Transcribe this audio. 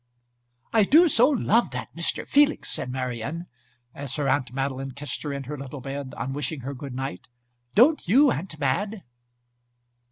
"I do so love that Mr. Felix!" said Marian, as her aunt Madeline kissed her in her little bed on wishing her good night. "Don't you, aunt Mad